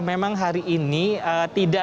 memang hari ini tidak